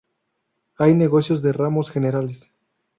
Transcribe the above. Hay negocios de ramos generales.